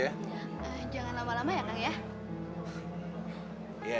jangan lama lama ya kang ya